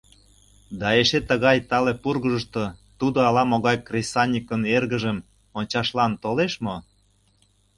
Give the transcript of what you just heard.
Да эше тыгай тале пургыжышто тудо ала-могай кресаньыкын эргыжым ончашлан толеш мо?